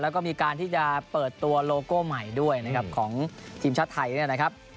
แล้วก็มีการที่จะเปิดตัวโลโก้ใหม่ด้วยนะครับของทีมชาติไทยเนี่ยนะครับ